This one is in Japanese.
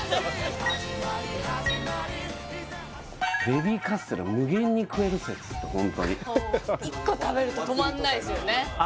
ベビーカステラ無限に食える説ってホントに１個食べると止まんないですよね